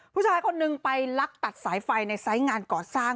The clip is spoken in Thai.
ผู้ชายคนนึงไปลักตัดสายไฟในไซส์งานก่อสร้าง